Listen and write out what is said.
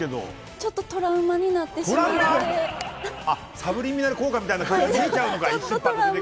ちょっとトラウマになってしまってサブリミナル効果みたいに、見えちゃうのか。